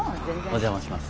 お邪魔します。